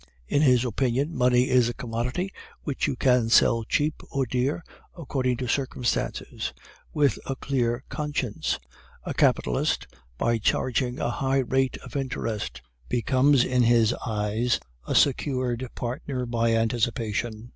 In his opinion, money is a commodity which you may sell cheap or dear, according to circumstances, with a clear conscience. A capitalist, by charging a high rate of interest, becomes in his eyes a secured partner by anticipation.